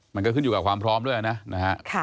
มันก็ขึ้นอยู่กับความพร้อมด้วยนะนะฮะ